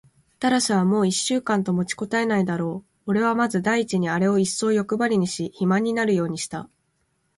タラスはもう一週間と持ちこたえないだろう。おれはまず第一にあれをいっそうよくばりにし、肥満になるようにした。